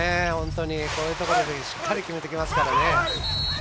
こういうところでしっかり決めてきますからね。